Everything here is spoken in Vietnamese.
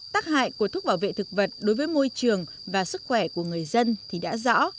tác hại của thuốc bảo vệ thực vật đối với môi trường và sức khỏe của người dân thì đã rõ